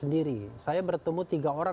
dipindahkan kepada utara